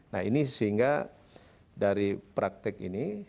nah ini sehingga dari praktek ini